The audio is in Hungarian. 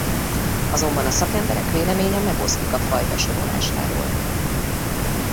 Azonban a szakemberek véleménye megoszlik a faj besorolásáról.